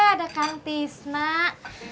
eh ada kantis nak